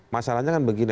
masalahnya kan begini